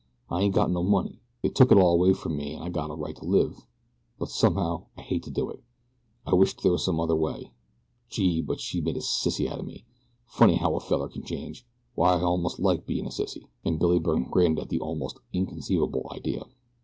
I ain't got no money. They took it all away from me, an' I got a right to live but, somehow, I hate to do it. I wisht there was some other way. Gee, but she's made a sissy out o' me! Funny how a feller can change. Why I almost like bein' a sissy," and Billy Byrne grinned at the almost inconceivable idea.